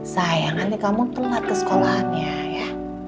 sayang nanti kamu pelat ke sekolahannya ya